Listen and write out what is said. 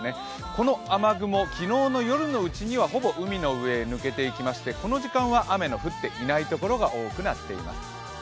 この雨雲、昨日の夜のうちにはほぼ海の上へ抜けていきまして、この時間は雨の降っていないところが多くなっています。